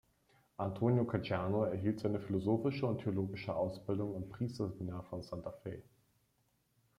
Antonio Caggiano erhielt seine philosophische und theologische Ausbildung im Priesterseminar von Santa Fe.